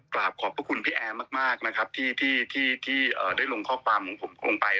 กราบขอบพระคุณพี่แอร์มากนะครับที่ได้ลงข้อความของผมลงไป